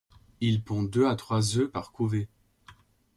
Il pond deux à trois œufs par couvées.